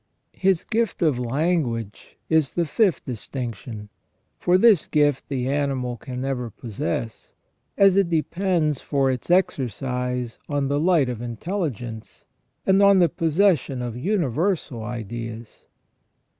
His gift of language is the fifth distinction, for this gift the animal can never possess, as it depends for its exercise on the light of intelligence, and on the possession of universal ideas.